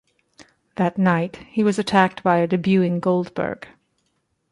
That night, he was attacked by a debuting Goldberg.